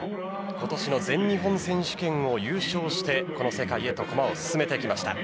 今年の全日本選手権を優勝してこの世界へと駒を進めてきました。